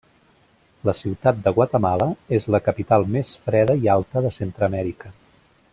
La ciutat de Guatemala és la capital més freda i alta de Centreamèrica.